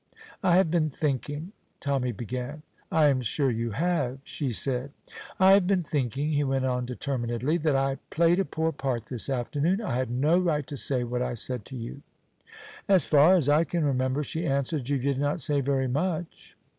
"I have been thinking " Tommy began. "I am sure you have," she said. "I have been thinking," he went on determinedly, "that I played a poor part this afternoon. I had no right to say what I said to you." "As far as I can remember," she answered, "you did not say very much."